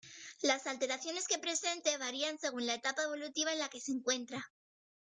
Las alteraciones que presente varían según la etapa evolutiva en la que se encuentra.